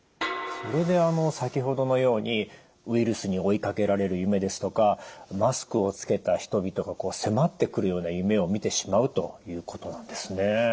それで先ほどのようにウイルスに追いかけられる夢ですとかマスクを着けた人々が迫ってくるような夢をみてしまうということなんですね。